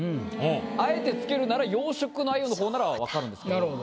あえて付けるなら「養殖の鮎」の方なら分かるんですけど。